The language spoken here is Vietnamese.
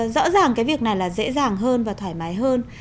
rõ ràng cái việc này là dễ dàng hơn và thoải mái hơn